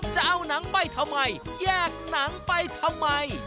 จะเอาหนังไปทำไมแยกหนังไปทำไม